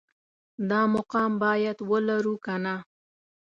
دا مقام باید ولرو که نه